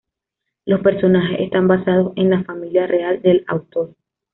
Los personajes están basados en la familia real del autor.